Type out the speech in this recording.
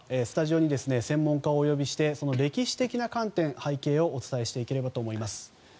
スタジオに専門家をお呼びして歴史的な観点背景をお伝えしていければと思います。